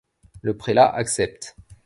Le prélat accepte.